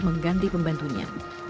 jokowi juga berganti pembantunya